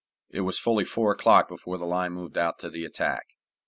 It was fully four o'clock before the line moved out to the attack.